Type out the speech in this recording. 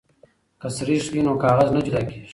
که سريښ وي نو کاغذ نه جدا کیږي.